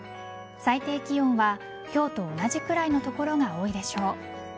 最低気温は今日と同じくらいの所が多いでしょう。